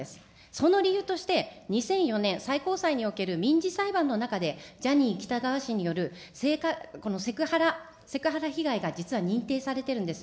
その理由として、２００４年、最高裁における民事裁判の中で、ジャニー喜多川氏による、セクハラ被害が実は認定されてるんです。